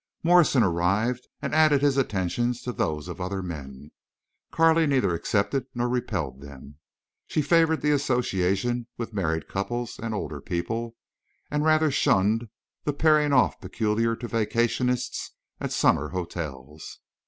Morrison arrived and added his attentions to those of other men. Carley neither accepted nor repelled them. She favored the association with married couples and older people, and rather shunned the pairing off peculiar to vacationists at summer hotels.